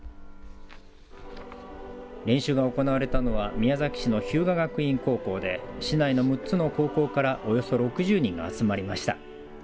練習が行われたのは宮崎市の日向学院高校で市内の６つの高校からおよそ６０人が集まりました。